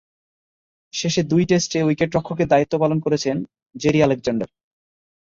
শেষ দুই টেস্টে উইকেট-রক্ষকের দায়িত্ব পালন করেছেন জেরি আলেকজান্ডার।